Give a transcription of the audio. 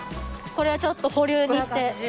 これはちょっと保留にして。